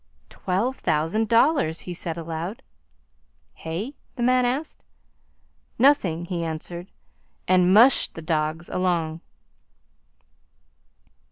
"Twelve thousand dollars," he said aloud. "Hey?" the man asked. "Nothing," he answered, and MUSHED the dogs along.